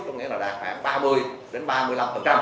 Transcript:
có nghĩa là đạt khoảng ba mươi đến ba mươi năm